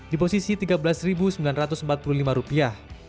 di posisi tiga belas sembilan ratus empat puluh lima rupiah